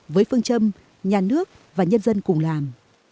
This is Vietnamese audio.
với phương châm nhà nước và nhân dân cùng làm